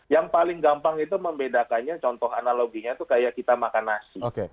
yang paling gampang itu membedakannya contoh analoginya itu kayak kita makan nasi